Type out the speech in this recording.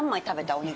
お肉。